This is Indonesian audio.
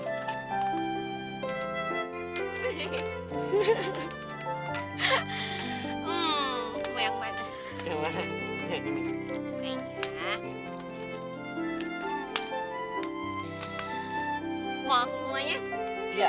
hmm mau yang mana